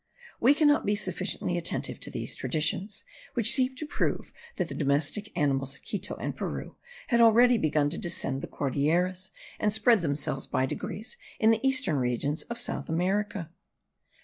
We cannot be sufficiently attentive to these traditions, which seem to prove that the domestic animals of Quito and Peru had already begun to descend the Cordilleras, and spread themselves by degrees in the eastern regions of South America.